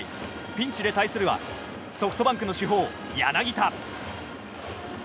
ピンチで対するはソフトバンクの主砲、柳田。